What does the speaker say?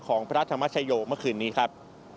ของพระธรรมชโยเมื่อคืนนี้ครับ